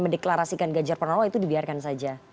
mendeklarasikan gajar pernowo itu dibiarkan saja